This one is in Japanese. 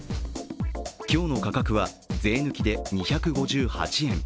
今日の価格は税抜きで２５８円。